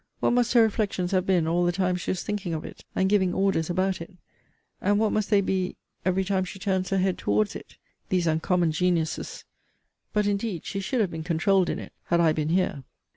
What must her reflections have been all the time she was thinking of it, and giving orders about it? And what must they be every time she turns her head towards it? These uncommon genius's but indeed she should have been controuled in it, had I been here.